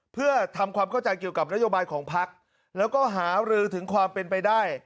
เพื่อทำความเข้าใจเกี่ยวกับนโยบายของพักแล้วก็หารือถึงความเป็นไปได้